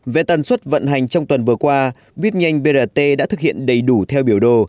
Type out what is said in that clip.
về tần suất vận hành trong tuần vừa qua bít nhanh brt đã thực hiện đầy đủ theo biểu đồ